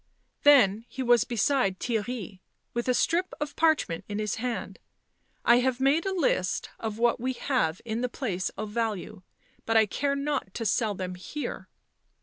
Then he was beside Theirry, with a strip of parch ment in his hand. " I have made a list of what we have in the place of value — but I care not to sell them here."